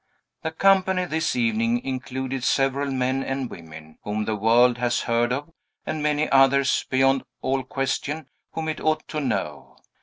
The company this evening included several men and women whom the world has heard of, and many others, beyond all question, whom it ought to know.